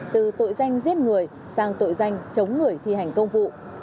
từ tội danh giết người sang tội danh chống người thi hành công vụ